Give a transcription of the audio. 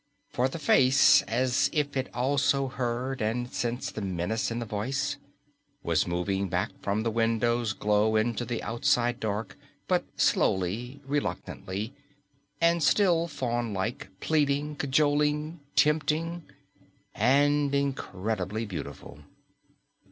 For the face, as if it also heard and sensed the menace in the voice, was moving back from the window's glow into the outside dark, but slowly, reluctantly, and still faunlike, pleading, cajoling, tempting, and incredibly beautiful.